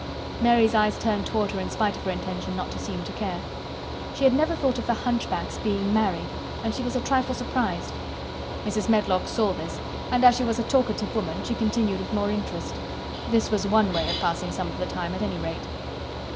Mary's eyes turned toward her in spite of her intention not to seem to care. She had never thought of the hunchback's being married and she was a trifle surprised. Mrs. Medlock saw this, and as she was a talkative woman she continued with more interest. This was one way of passing some of the time, at any rate.